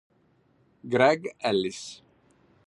Greg Ellis